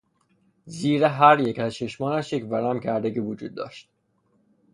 زیر هریک از چشمانش یک ورم کردگی وجود داشت.